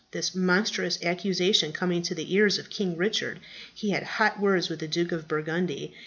This monstrous accusation coming to the ears of King Richard, he had hot words with the Duke of Burgundy.